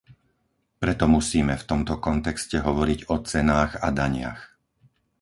Preto musíme v tomto kontexte hovoriť o cenách a daniach.